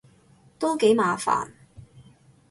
都幾麻煩